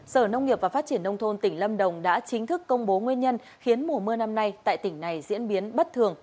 sở nông nghiệp và phát triển nông thôn tỉnh lâm đồng đã chính thức công bố nguyên nhân khiến mùa mưa năm nay tại tỉnh này diễn biến bất thường